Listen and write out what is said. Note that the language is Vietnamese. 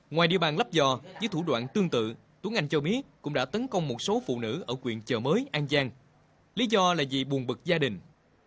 ngoài địa bàn lấp vò với thủ đoạn tương tự tuấn anh cho biết cũng đã tấn công một số phụ nữ ở quyện chợ mới an giang lý do là vì buồn bực gia đình